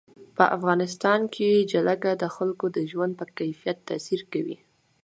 په افغانستان کې جلګه د خلکو د ژوند په کیفیت تاثیر کوي.